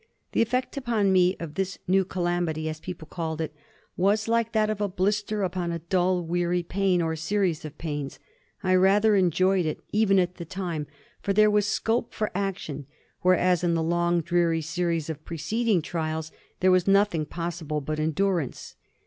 The effect upon me of this new 'calamity,' as people called it, was like that of a blister upon a dull, weary pain or series of pains. I rather enjoyed it, even at the time; for there was scope for action, whereas in the long, dreary series of preceding trials, there was nothing possible but endurance.